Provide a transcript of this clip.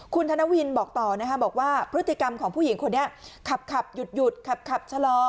คุณธนวินบอกต่อนะคะบอกว่าพฤติกรรมของผู้หญิงคนนี้ขับหยุดขับชะลอ